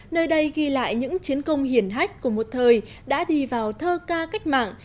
nơi đây ghi lại những chiến công hiển hách của một thời đã đi vào thơ ca cách mạng